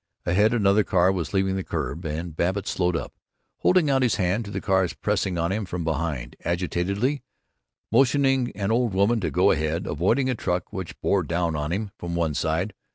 Ahead, another car was leaving the curb, and Babbitt slowed up, holding out his hand to the cars pressing on him from behind, agitatedly motioning an old woman to go ahead, avoiding a truck which bore down on him from one side.